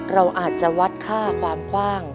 เราอาจจะวัดค่าความคว่าง